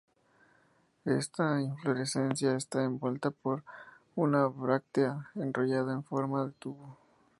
Esta inflorescencia está envuelta por una bráctea enrollada en forma de tubo.